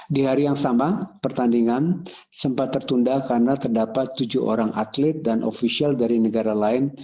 di hari yang sama pertandingan sempat tertunda karena terdapat tujuh orang atlet dan ofisial dari negara lain